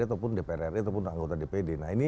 atau dprrd atau anggota dpd